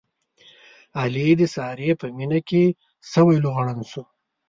علي د سارې په مینه کې سوی لوغړن شو.